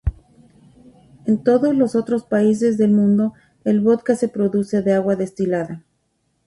En todos los otros países del mundo el vodka se produce de agua destilada.